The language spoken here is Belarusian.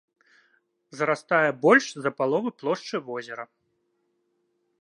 Зарастае больш за палову плошчы возера.